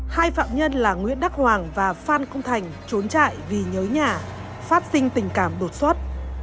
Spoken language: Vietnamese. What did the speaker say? hai phạm nhân là nguyễn đắc hoàng và phan công thành trốn chạy vì nhớ nhà phát sinh tình cảm đột xuất